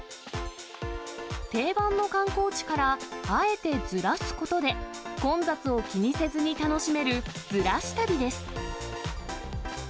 定番の観光地から、あえてずらすことで、混雑を気にせずに楽しめるずらし旅です。